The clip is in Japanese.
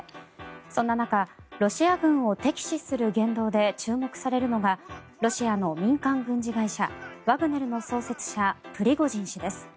そんな中ロシア軍を敵視する言動で注目されるのがロシアの民間軍事会社ワグネルの創設者、プリゴジン氏です。